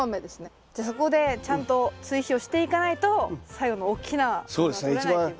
じゃそこでちゃんと追肥をしていかないと最後の大きなものはとれないということですね。